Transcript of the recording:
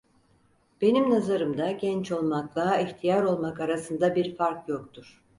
Benim nazarımda genç olmakla ihtiyar olmak arasında bir fark yoktur.